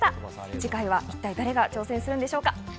次回は一体誰が挑戦するんでしょうか。